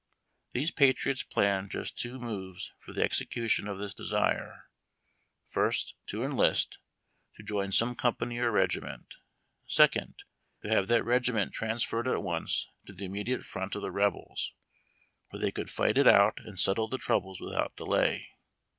These patriots planned just two moves for the execution of this desire: first, to enlist — to join some company or regiment; second, to have tliat regiment transferred at once to the immediate front of the Rebels, where they could fight it out and settle the troubles without delay.